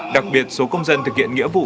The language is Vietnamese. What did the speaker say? đặc biệt số công dân thực hiện nghĩa vụ